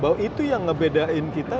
bahwa itu yang ngebedain kita